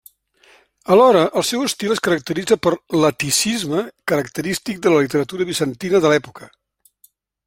Alhora, el seu estil es caracteritza per l'aticisme característic de la literatura bizantina de l'època.